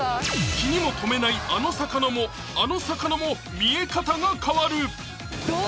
気にも留めないあの魚もあの魚も見え方が変わる！